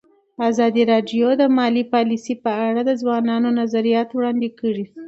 ازادي راډیو د مالي پالیسي په اړه د ځوانانو نظریات وړاندې کړي.